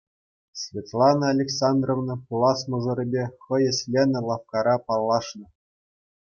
Светлана Александровна пулас мӑшӑрӗпе хӑй ӗҫленӗ лавккара паллашнӑ.